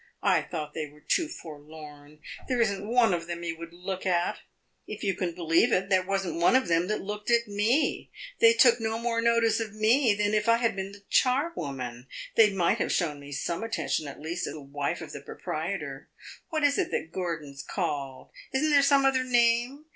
I thought they were too forlorn; there is n't one of them you would look at. If you can believe it, there was n't one of them that looked at me; they took no more notice of me than if I had been the charwoman. They might have shown me some attention, at least, as the wife of the proprietor. What is it that Gordon 's called is n't there some other name?